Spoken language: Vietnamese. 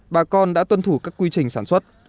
bà con đã tuân thủ các quy trình sản xuất